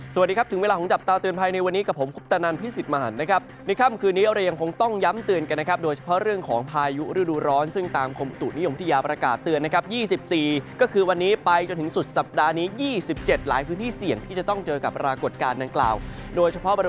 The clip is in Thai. สวัสดีครับถึงเวลาของจับตาเตือนภัยในวันนี้กับผมคุปตนันพิสิทธิ์มหันนะครับในค่ำคืนนี้เรายังคงต้องย้ำเตือนกันนะครับโดยเฉพาะเรื่องของพายุฤดูร้อนซึ่งตามกรมตุนิยมวิทยาประกาศเตือนนะครับ๒๔ก็คือวันนี้ไปจนถึงสุดสัปดาห์นี้๒๗หลายพื้นที่เสี่ยงที่จะต้องเจอกับปรากฏการณ์ดังกล่าวโดยเฉพาะบริ